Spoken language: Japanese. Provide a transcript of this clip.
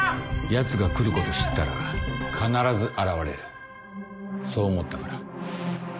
ヤツが来ること知ったら必ず現れるそう思ったから。